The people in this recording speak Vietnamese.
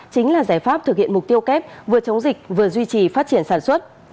chính là giải pháp thực hiện mục tiêu kép vừa chống dịch vừa duy trì phát triển sản xuất